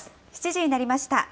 ７時になりました。